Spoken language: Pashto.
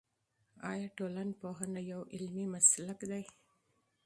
آیا ټولنپوهنه یو علمي مسلک دی؟